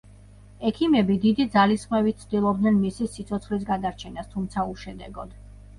ექიმები დიდი ძალისხმევით ცდილობდნენ მისი სიცოცხლის გადარჩენას, თუმცა უშედეგოდ.